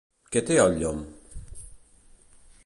Què té al llom?